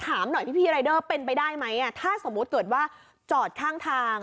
ถามหน่อยพี่รายเดอร์เป็นไปได้ไหมถ้าสมมุติเกิดว่าจอดข้างทาง